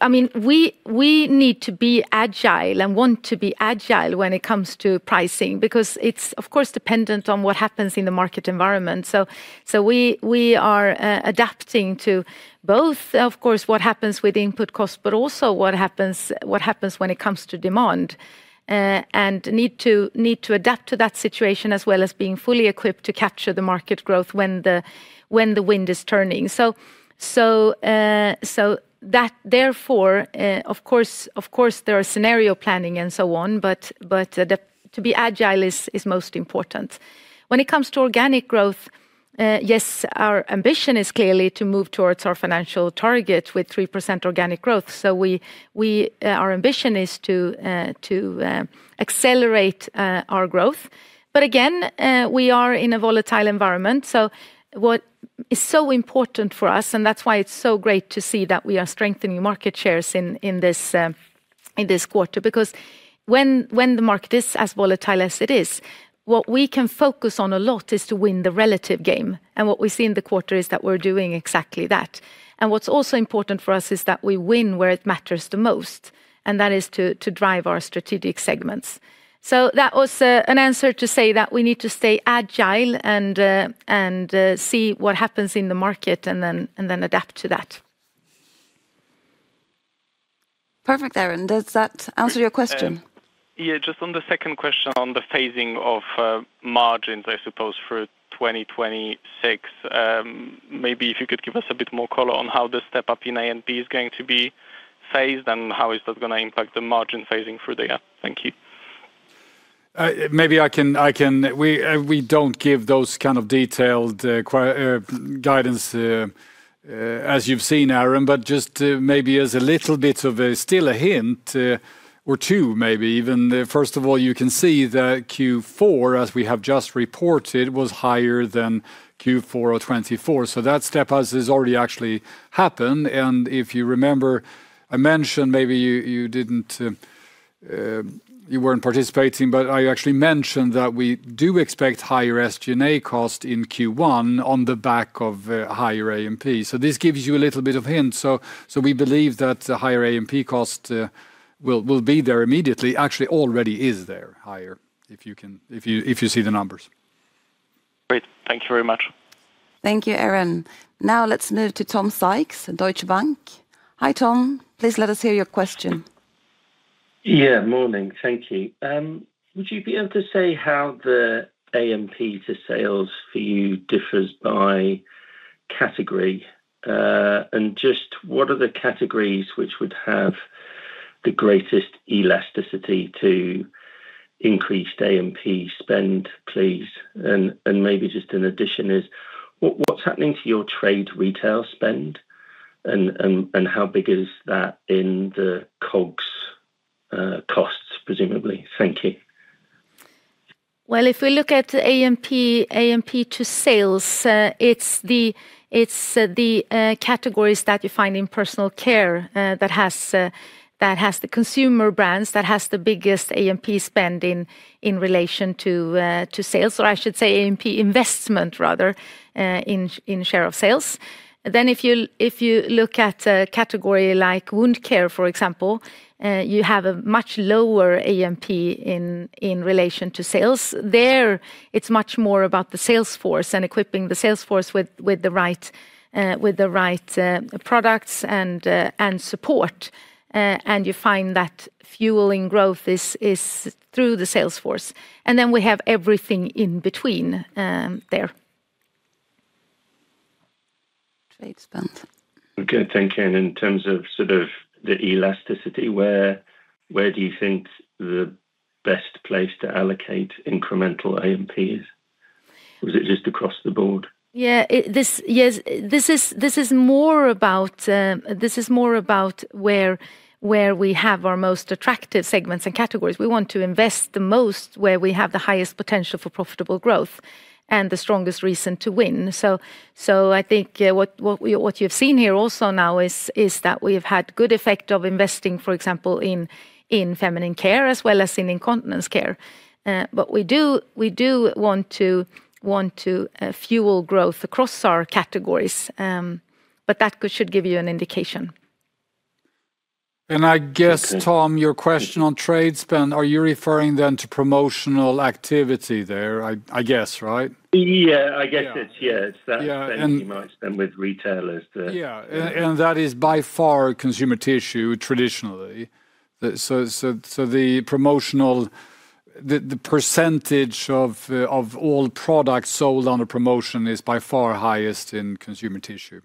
B: I mean, we need to be agile and want to be agile when it comes to pricing because it's, of course, dependent on what happens in the market environment, so we are adapting to both, of course, what happens with input costs, but also what happens when it comes to demand and need to adapt to that situation as well as being fully equipped to capture the market growth when the wind is turning, so therefore, of course, there are scenario planning and so on, but to be agile is most important. When it comes to organic growth, yes, our ambition is clearly to move towards our financial target with 3% organic growth, so our ambition is to accelerate our growth, but again, we are in a volatile environment. So what is so important for us, and that's why it's so great to see that we are strengthening market shares in this quarter, because when the market is as volatile as it is, what we can focus on a lot is to win the relative game. And what we see in the quarter is that we're doing exactly that. And what's also important for us is that we win where it matters the most, and that is to drive our strategic segments. So that was an answer to say that we need to stay agile and see what happens in the market and then adapt to that. Perfect, Aron. Does that answer your question?
H: Yeah, just on the second question on the phasing of margins, I suppose, for 2026, maybe if you could give us a bit more color on how the step-up in A&P is going to be phased and how is that going to impact the margin phasing for the year. Thank you.
C: Maybe we don't give those kind of detailed guidance as you've seen, Aron, but just maybe as a little bit of a hint or two, maybe even. First of all, you can see that Q4, as we have just reported, was higher than Q4 2024. So that step-up has already actually happened. If you remember, I mentioned maybe you weren't participating, but I actually mentioned that we do expect higher SG&A cost in Q1 on the back of higher A&P. So this gives you a little bit of hint. So we believe that the higher A&P cost will be there immediately. Actually, already is there higher, if you see the numbers.
H: Great. Thank you very much.
A: Thank you, Aron. Now let's move to Tom Sykes, Deutsche Bank. Hi, Tom. Please let us hear your question.
I: Yeah, morning. Thank you. Would you be able to say how the A&P to sales for you differs by category? And just what are the categories which would have the greatest elasticity to increased A&P spend, please? And maybe just in addition, what's happening to your trade retail spend? And how big is that in the COGS costs, presumably? Thank you.
B: Well, if we look at A&P to sales, it's the categories that you find in personal care that has the consumer brands that has the biggest A&P spend in relation to sales. Or I should say A&P investment, rather, in share of sales. Then if you look at a category like wound care, for example, you have a much lower A&P in relation to sales. There, it's much more about the sales force and equipping the sales force with the right products and support. And you find that fueling growth is through the sales force. And then we have everything in between there. Trade spend.
I: Okay, thank you. And in terms of sort of the elasticity, where do you think the best place to allocate incremental A&P is? Was it just across the board?
B: Yeah, this is more about where we have our most attractive segments and categories. We want to invest the most where we have the highest potential for profitable growth and the strongest reason to win. So I think what you have seen here also now is that we have had good effect of investing, for example, in feminine care as well as in incontinence care. But we do want to fuel growth across our categories. But that should give you an indication.
C: And I guess, Tom, your question on trade spend, are you referring then to promotional activity there, I guess, right?
I: Yeah, I guess it's, yeah, it's that spending you might spend with retailers.
C: Yeah, and that is by far consumer tissue traditionally. So the percentage of all products sold on a promotion is by far highest in consumer tissue.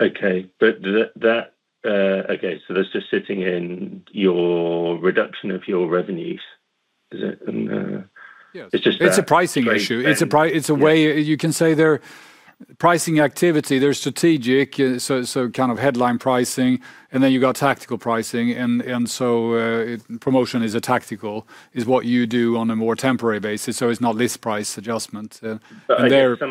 C: Okay, but that, okay, so that's just sitting in your reduction of your revenues. Is it? It's just that. It's a pricing issue. It's a way you can say their pricing activity, they're strategic, so kind of headline pricing. And then you've got tactical pricing. And so promotion is a tactical, what you do on a more temporary basis. So it's not this price adjustment.
I: Some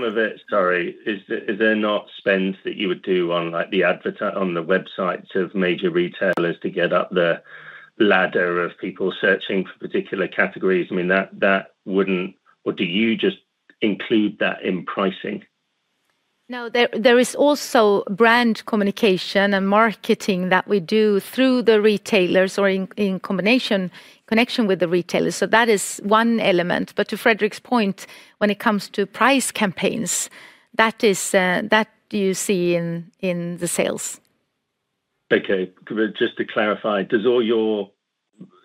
I: of it, sorry, is there not spend that you would do on the advert on the websites of major retailers to get up the ladder of people searching for particular categories? I mean, that wouldn't, or do you just include that in pricing?
B: No, there is also brand communication and marketing that we do through the retailers or in combination connection with the retailers. So that is one element. But to Fredrik's point, when it comes to price campaigns, that you see in the sales.
I: Okay, just to clarify, does all your,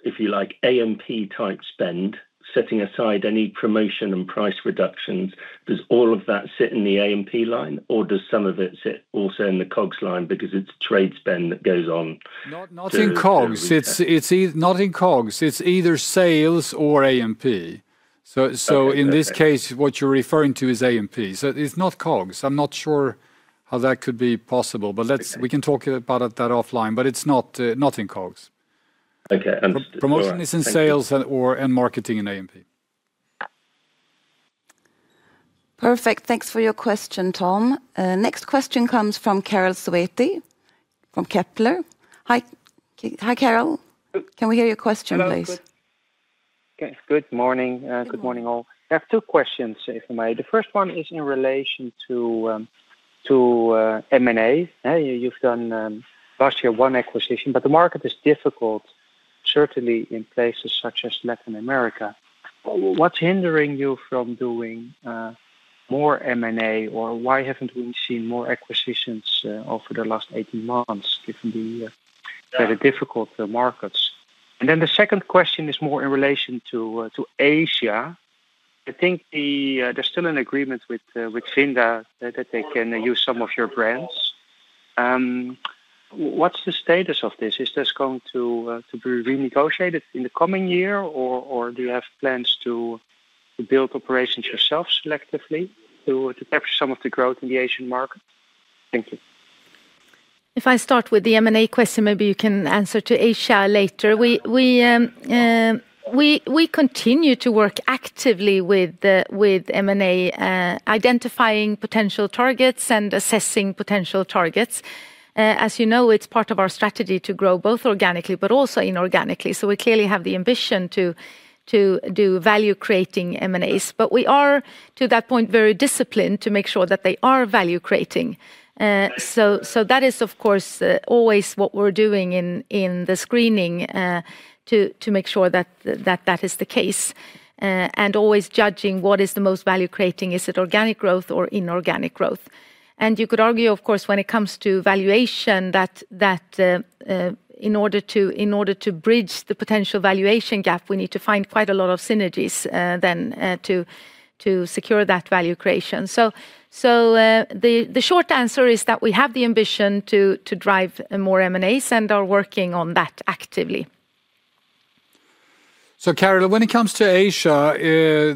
I: if you like, A&P type spend, setting aside any promotion and price reductions, does all of that sit in the A&P line? Or does some of it sit also in the COGS line because it's trade spend that goes on?
C: Not in COGS. It's either sales or A&P. So in this case, what you're referring to is A&P. So it's not COGS. I'm not sure how that could be possible, but we can talk about that offline, but it's not in COGS.
I: Okay.
C: And promotion is in sales and marketing in A&P.
A: Perfect. Thanks for your question, Tom. Next question comes from Karel Zoete from Kepler. Hi, Karel. Can we hear your question, please?
J: Hello. Good morning. Good morning, all. I have two questions, if I may. The first one is in relation to M&A. You've done last year one acquisition, but the market is difficult, certainly in places such as Latin America. What's hindering you from doing more M&A, or why haven't we seen more acquisitions over the last 18 months, given the very difficult markets? And then the second question is more in relation to Asia. I think there's still an agreement with Vinda that they can use some of your brands. What's the status of this? Is this going to be renegotiated in the coming year, or do you have plans to build operations yourself selectively to capture some of the growth in the Asian market? Thank you.
B: If I start with the M&A question, maybe you can answer to Asia later. We continue to work actively with M&A, identifying potential targets and assessing potential targets. As you know, it's part of our strategy to grow both organically but also inorganically. So we clearly have the ambition to do value-creating M&As. But we are, to that point, very disciplined to make sure that they are value-creating. So that is, of course, always what we're doing in the screening to make sure that that is the case. And always judging what is the most value-creating, is it organic growth or inorganic growth? And you could argue, of course, when it comes to valuation that in order to bridge the potential valuation gap, we need to find quite a lot of synergies then to secure that value creation.
C: So the short answer is that we have the ambition to drive more M&As and are working on that actively. So, Karel, when it comes to Asia,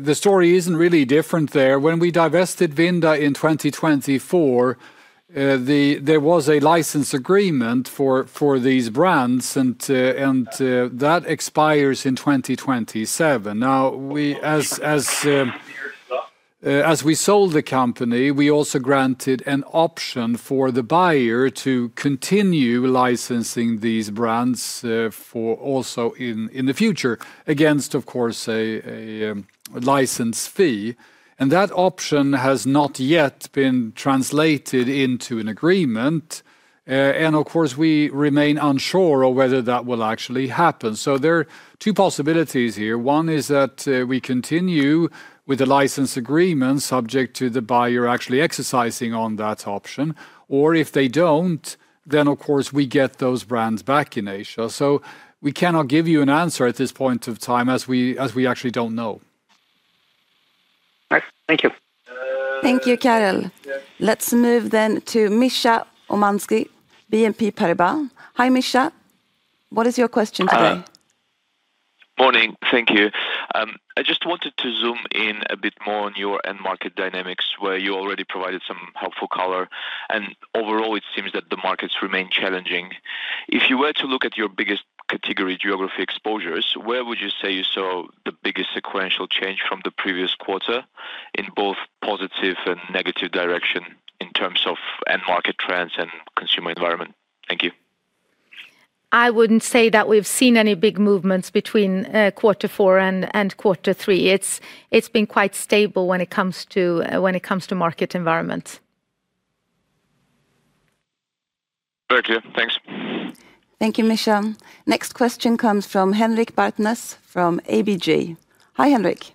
C: the story isn't really different there. When we divested Vinda in 2024, there was a license agreement for these brands, and that expires in 2027. Now, as we sold the company, we also granted an option for the buyer to continue licensing these brands also in the future against, of course, a license fee. And that option has not yet been translated into an agreement. And, of course, we remain unsure of whether that will actually happen. So there are two possibilities here. One is that we continue with the license agreement subject to the buyer actually exercising on that option. Or if they don't, then, of course, we get those brands back in Asia. So we cannot give you an answer at this point of time as we actually don't know.
J: Thank you.
A: Thank you, Karel. Let's move then to Mikheil Omanadze, BNP Paribas. Hi, Misha. What is your question today?
K: Morning. Thank you. I just wanted to zoom in a bit more on your end market dynamics, where you already provided some helpful color. And overall, it seems that the markets remain challenging. If you were to look at your biggest category geography exposures, where would you say you saw the biggest sequential change from the previous quarter in both positive and negative direction in terms of end market trends and consumer environment? Thank you.
B: I wouldn't say that we've seen any big movements between quarter four and quarter three. It's been quite stable when it comes to market environment.
K: Thank you. Thanks.
A: Thank you, Mikheil. Next question comes from Henrik Bartnes from ABG. Hi, Henrik.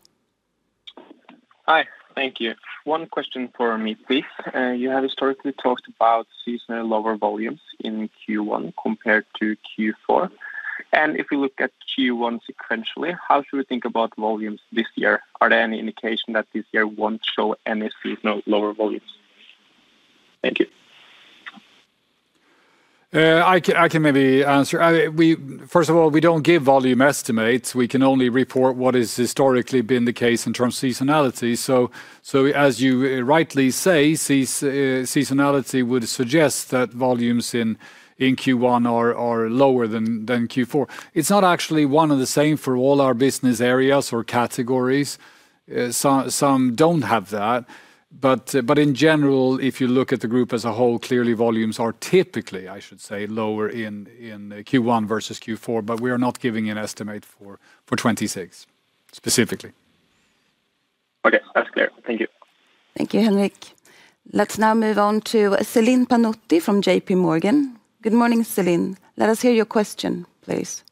L: Hi. Thank you. One question for me, please. You have historically talked about seasonal lower volumes in Q1 compared to Q4. And if we look at Q1 sequentially, how should we think about volumes this year? Are there any indications that this year won't show any seasonal lower volumes? Thank you.
C: I can maybe answer. First of all, we don't give volume estimates. We can only report what has historically been the case in terms of seasonality. So as you rightly say, seasonality would suggest that volumes in Q1 are lower than Q4. It's not actually one and the same for all our business areas or categories. Some don't have that. But in general, if you look at the group as a whole, clearly volumes are typically, I should say, lower in Q1 versus Q4. But we are not giving an estimate for 26 specifically.
L: Okay, that's clear. Thank you.
A: Thank you, Henrik. Let's now move on to Celine Pannuti from J.P. Morgan. Good morning, Celine. Let us hear your question, please.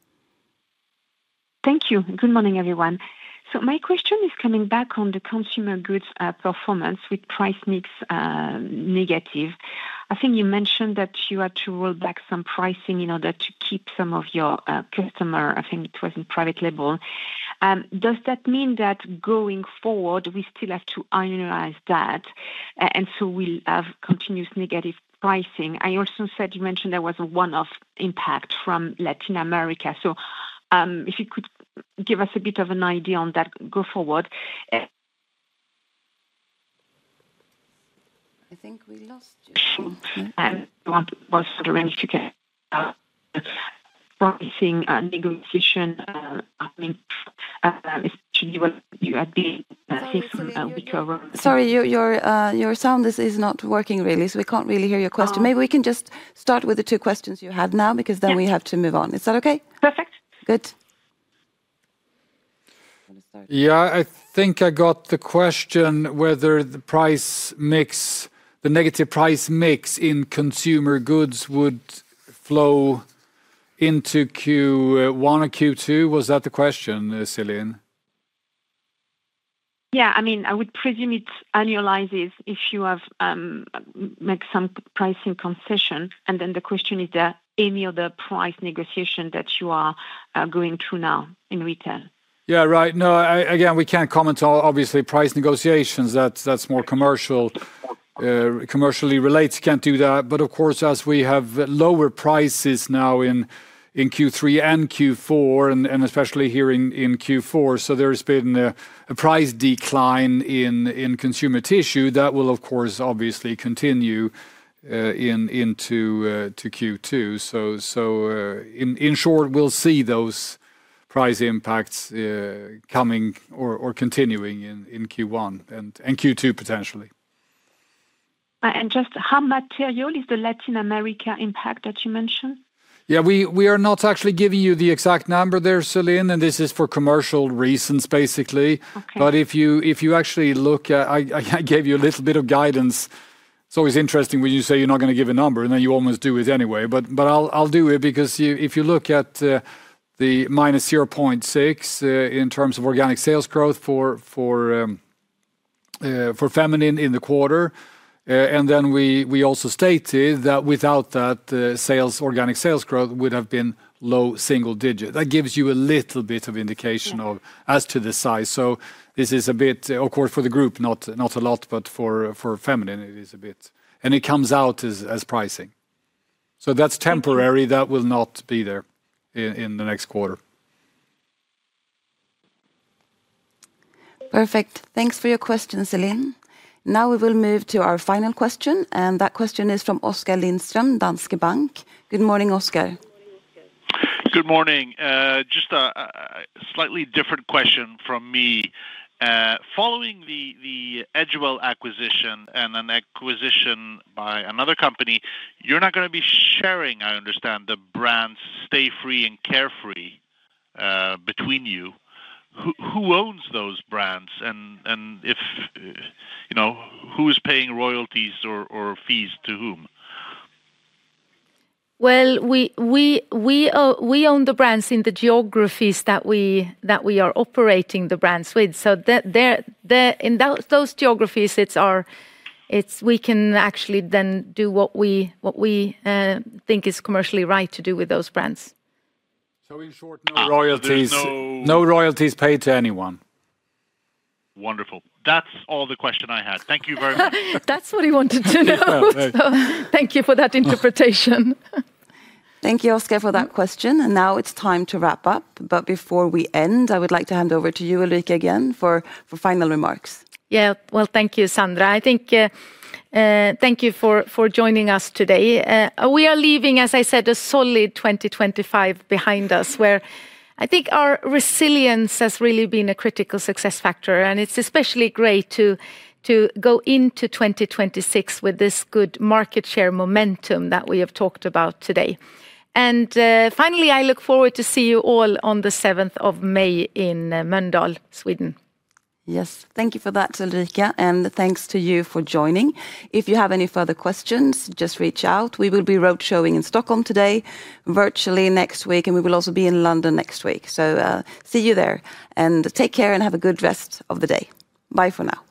M: Thank you. Good morning, everyone. So my question is coming back on the consumer goods performance with price mix negative. I think you mentioned that you had to roll back some pricing in order to keep some of your customers, I think it was in private label. Does that mean that going forward, we still have to analyze that? And so we'll have continuous negative pricing. I also said you mentioned there was a one-off impact from Latin America. So if you could give us a bit of an idea on that go forward. I think we lost you. Pricing negotiation, I mean, especially when you are being weak around.
B: Sorry, your sound is not working really, so we can't really hear your question. Maybe we can just start with the two questions you had now because then we have to move on. Is that okay?
M: Perfect.
B: Good.
C: Yeah, I think I got the question whether the negative price mix in consumer tissue would flow into Q1 or Q2. Was that the question, Celine?
M: Yeah, I mean, I would presume it annualizes if you have made some pricing concession. And then the question is, any other price negotiation that you are going through now in retail?
C: Yeah, right. No, again, we can't comment on, obviously, price negotiations. That's more commercially related. Can't do that. But of course, as we have lower prices now in Q3 and Q4, and especially here in Q4, so there's been a price decline in consumer tissue that will, of course, obviously continue into Q2. So in short, we'll see those price impacts coming or continuing in Q1 and Q2 potentially.
M: And just how material is the Latin America impact that you mentioned?
C: Yeah, we are not actually giving you the exact number there, Celine, and this is for commercial reasons, basically. But if you actually look at, I gave you a little bit of guidance. It's always interesting when you say you're not going to give a number, and then you almost do it anyway. But I'll do it because if you look at the -0.6% in terms of organic sales growth for feminine in the quarter, and then we also stated that without that, organic sales growth would have been low single digit. That gives you a little bit of indication as to the size. So this is a bit, of course, for the group, not a lot, but for feminine, it is a bit. And it comes out as pricing. So that's temporary. That will not be there in the next quarter.
A: Perfect. Thanks for your question, Celine. Now we will move to our final question. And that question is from Oskar Lindström, Danske Bank. Good morning, Oskar.
N: Good morning. Just a slightly different question from me. Following the Edgewell acquisition and an acquisition by another company, you're not going to be sharing, I understand, the brands Stayfree and Carefree between you. Who owns those brands? And who is paying royalties or fees to whom?
B: Well, we own the brands in the geographies that we are operating the brands with. So in those geographies, we can actually then do what we think is commercially right to do with those brands.
C: So in short, no royalties paid to anyone.
N: Wonderful. That's all the question I had. Thank you very much.
B: That's what he wanted to know. Thank you for that interpretation.
A: Thank you, Oskar, for that question. And now it's time to wrap up. But before we end, I would like to hand over to you, Ulrika, again for final remarks.
B: Yeah, well, thank you, Sandra. I think thank you for joining us today. We are leaving, as I said, a solid 2025 behind us, where I think our resilience has really been a critical success factor. And it's especially great to go into 2026 with this good market share momentum that we have talked about today. And finally, I look forward to see you all on the 7th of May in Mölndal, Sweden.
A: Yes, thank you for that, Ulrika. And thanks to you for joining. If you have any further questions, just reach out. We will be roadshowing in Stockholm today, virtually next week, and we will also be in London next week. So see you there. And take care and have a good rest of the day. Bye for now.